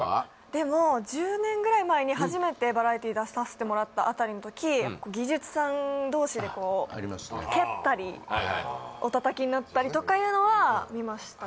でも１０年ぐらい前に初めてバラエティー出させてもらった辺りの時技術さん同士でこうああありますね蹴ったりお叩きになったりとかいうのは見ましたね